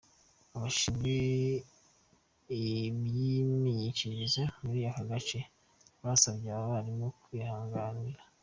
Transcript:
Abashinzwe iby’imyigishirize muri aka gace, basabye aba barimu kwihangana.